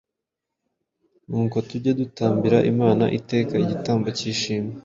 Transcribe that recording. "Nuko tujye dutambira Imana iteka igitambo cy’ishimwe,